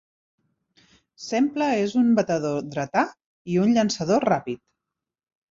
Semple és un batedor dretà i un llançador ràpid.